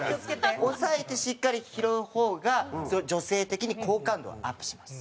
押さえてしっかり拾う方が女性的に好感度はアップします。